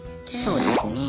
そうですね。